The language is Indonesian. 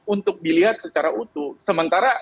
untuk dilihat secara utuh sementara